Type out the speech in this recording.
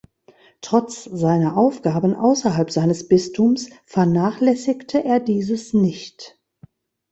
Trotz seiner Aufgaben außerhalb seines Bistums vernachlässigte er dieses nicht.